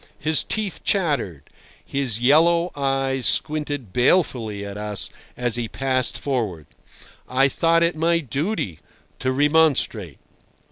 His teeth chattered; his yellow eyes squinted balefully at us as he passed forward. I thought it my duty to remonstrate.